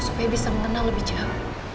supaya bisa mengenal lebih jauh